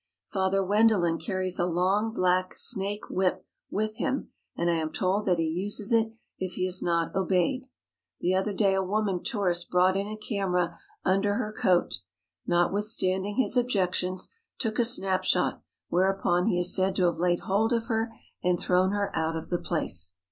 Father Wendelin carries a long black snake whip with him, and I am told that he uses it if he is not obeyed. The other day a woman tourist brought in a camera under her coat and, notwithstanding his objections, took a snapshot, whereupon he is said to have laid hold of her and thrown her out of the place.